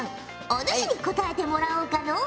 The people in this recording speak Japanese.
おぬしに答えてもらおうかのう。